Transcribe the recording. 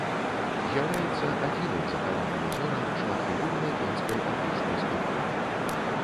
З'яўляецца адзіным захаваным узорам шматфігурнай конскай антычнай скульптуры.